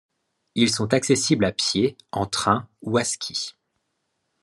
Ils sont accessibles à pied, en train ou à ski.